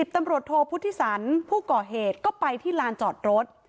ตำรวจโทพุทธิสันผู้ก่อเหตุก็ไปที่ลานจอดรถ